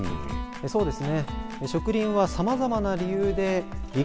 そうですね。